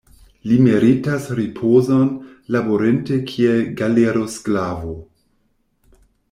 Li meritas ripozon, laborinte kiel galerosklavo.